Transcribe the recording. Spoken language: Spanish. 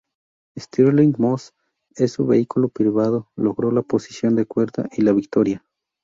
Stirling Moss, en su vehículo privado logró la posición de cuerda y la victoria.